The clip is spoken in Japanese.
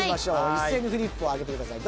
一斉にフリップを上げてください。